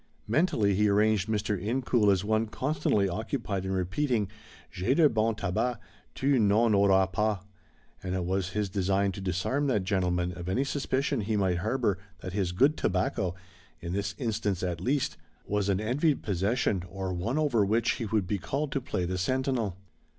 Mentally he arranged Mr. Incoul as one constantly occupied in repeating J'ai de bon tabac, tu n'en auras pas, and it was his design to disarm that gentleman of any suspicion he might harbor that his good tobacco, in this instance at least, was an envied possession or one over which he would be called to play the sentinel.